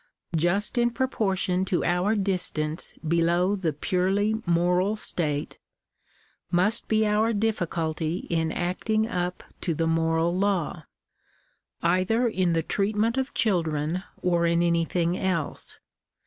Just in propor tion to our distance below the purely moral state, must be our difficulty in acting up to the moral law, either in the treatment of children or in anything else.